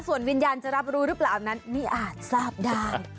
ส่วนวิญญาณจะรับรู้หรือเปล่านั้นไม่อาจทราบได้